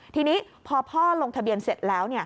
ทีนี้พอพ่อลงทะเบียนเสร็จแล้ว